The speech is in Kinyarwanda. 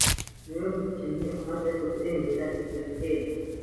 Niwe mukinnyi umaze gutsindira ibyo bihembo